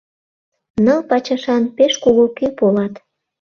Ныл пачашан пеш кугу кӱ полат